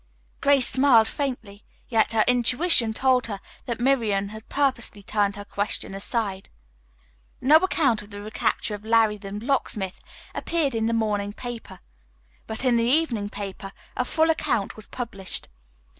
Grace smiled faintly, yet her intuition told her that Miriam had purposely turned her question aside. No account of the recapture of "Larry, the Locksmith" appeared in the morning paper. But in the evening paper a full account was published.